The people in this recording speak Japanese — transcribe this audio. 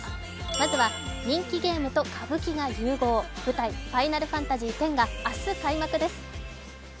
まずは人気ゲームと歌舞伎が融合、舞台「ファイナルファンタジーⅩ」が明日開幕です。